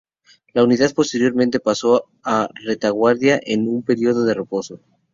La unidad posteriormente pasó a retaguardia, en un periodo de reposo.